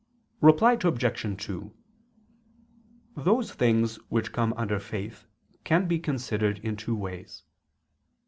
Reply Obj. 2: Those things which come under faith can be considered in two ways.